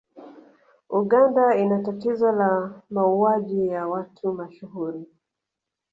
Uganda ina tatizo la mauwaji ya watu mashuhuri